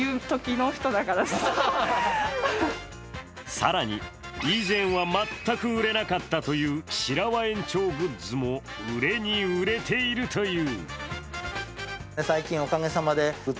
更に、以前は全く売れなかったという白輪園長グッズも売れに売れているという。